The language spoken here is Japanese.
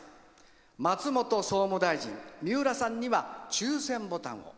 松本総務大臣、三浦さんには抽せんボタンを。